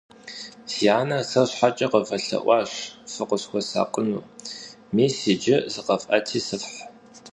Си анэр сэр щхьэкӀэ къывэлъэӀуащ, фыкъысхуэсакъыну. Мис иджы сыкъэфӀэти сыфхь.